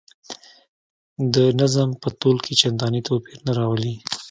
د نظم په تول کې چنداني توپیر نه راولي.